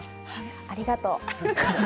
ありがとう。